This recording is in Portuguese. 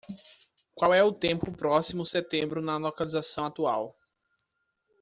Qual é o tempo próximo setembro na localização atual?